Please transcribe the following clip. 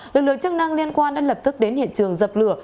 lực lượng chức năng liên quan đã lập tức đến hiện trường dập lửa